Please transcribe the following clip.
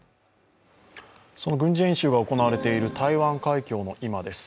その軍事演習が行われている台湾海峡の今です。